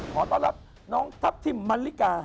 ขอต้อนรับน้องทัพทิมมันลิกา